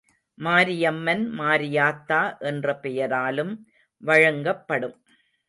மாரியம்மன் மாரியாத்தா என்ற பெயராலும் வழங்கப்படும்.